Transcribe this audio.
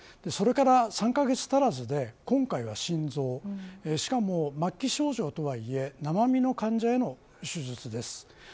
それから３カ月足らずで今回は心臓しかも末期症状とはいえ生身の患者への手術です。